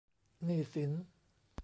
หนี้สิน